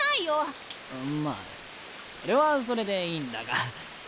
まあそれはそれでいいんだが。